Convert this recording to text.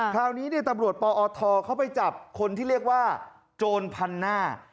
คราวนี้ตำรวจปอทเขาไปจับคนที่เรียกว่าโจรพันหน้า